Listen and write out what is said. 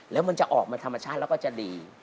แล้วมันจะออกมาธรรมชาติแล้วก็จะดี